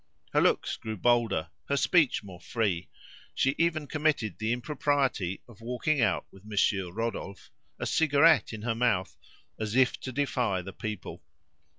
Her looks grew bolder, her speech more free; she even committed the impropriety of walking out with Monsieur Rodolphe, a cigarette in her mouth, "as if to defy the people."